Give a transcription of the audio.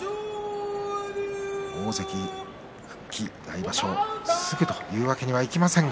大関復帰、来場所すぐというわけにはいきませんが。